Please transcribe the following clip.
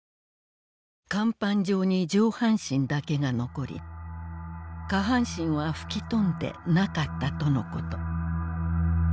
『甲板上に上半身だけがのこり下半身は吹き飛んでなかったとのこと』